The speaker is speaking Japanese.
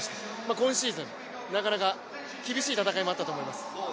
今シーズン、なかなか厳しい戦いもあったと思います。